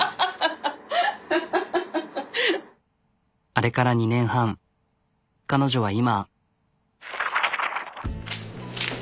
あれから２年半彼女は今。